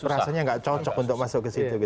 rasanya nggak cocok untuk masuk ke situ